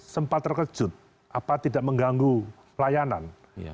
sempat terkejut apa tidak mengganggu layanan